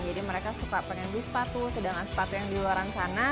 jadi mereka suka pengen beli sepatu sedangkan sepatu yang di luar sana